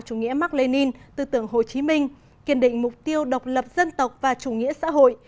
chủ nghĩa mark lenin tư tưởng hồ chí minh kiên định mục tiêu độc lập dân tộc và chủ nghĩa xã hội